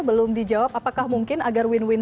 belum dijawab apakah mungkin agar win win